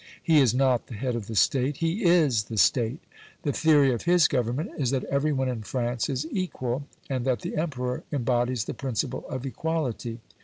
He is not the head of the State; he IS the State. The theory of his Government is that every one in France is equal, and that the Emperor embodies the principle of equality.